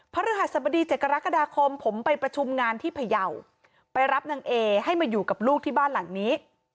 พระฤหัสบดี๗กรกฎาคมผมไปประชุมงานที่พยาวไปรับนางเอให้มาอยู่กับลูกที่บ้านหลังนี้